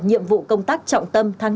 nhiệm vụ công tác trọng tâm tháng năm